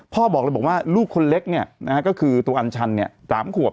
บอกเลยบอกว่าลูกคนเล็กก็คือตัวอัญชัน๓ขวบ